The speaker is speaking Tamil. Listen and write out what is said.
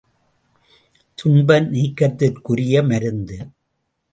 துன்ப நீக்கத்திற்குரிய மருந்து!